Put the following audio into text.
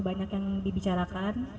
banyak yang dibicarakan